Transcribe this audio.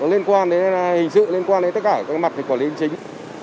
liên quan đến hình sự liên quan đến tất cả các mặt của lĩnh chính